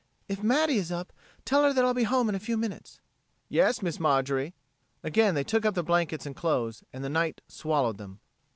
If Matty is up, tell her that I'll be home in a few minutes." "Yas, Miss Marjorie." Again they took up the blankets and clothes, and the night swallowed them.